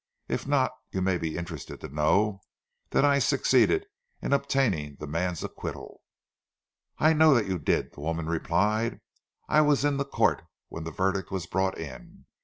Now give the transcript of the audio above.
If not, you may be interested to know that I succeeded in obtaining the man's acquittal." "I know that you did," the woman replied. "I was in the Court when the verdict was brought in.